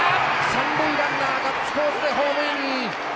三塁ランナーガッツポーズでホームイン！